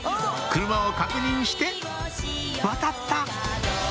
車を確認して渡った！